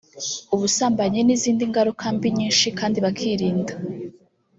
ubusambanyi n’izindi ngaruka mbi nyinshi kandi bakirinda